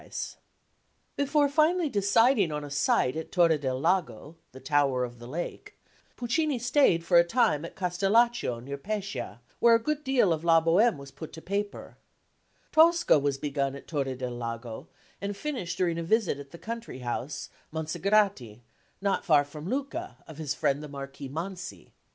[Illustration: PUCCINI'S VILLA AT TORRE DEL LAGO] Before finally deciding on a site at Torre del Lago the Tower of the Lake Puccini stayed for a time at Castellaccio, near Pescia, where a good deal of La Bohème was put to paper. Tosca was begun at Torre del Lago, and finished during a visit at the country house, Monsagrati, not far from Lucca, of his friend the Marquis Mansi.